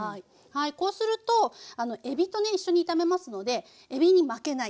こうするとえびとね一緒に炒めますのでえびに負けない。